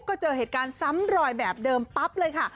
ก็เจอเหตุการณ์ซ้ำรอยแบบเดิมปั๊บเลยค่ะ